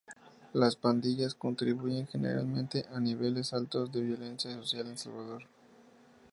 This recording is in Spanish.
Las pandillas contribuyen generalmente a niveles altos de violencia social en El Salvador.